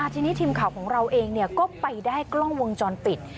ทีนี้ทีมข่าวของเราเองก็ไปได้กล้องวงจรปิด